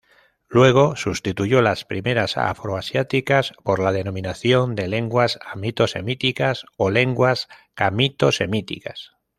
Luego sustituyó las primeras, afroasiáticas, por la denominación de Lenguas hamito-semíticas o Lenguas camito-semíticas.